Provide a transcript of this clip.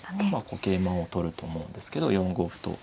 こう桂馬を取ると思うんですけど４五歩と。